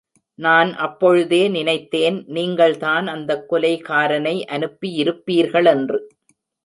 நான் அப்பொழுதே நினைத்தேன், நீங்கள் தான் அந்தக் கொலைகாரனை அனுப்பியிருப்பீர்களென்று!